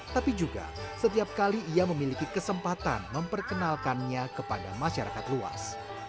tapi juga setiap kali ia memiliki kesempatan memperkenalkannya kepada masyarakat luas